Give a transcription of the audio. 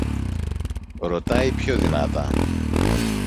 Ρωτάει πιο δυνατά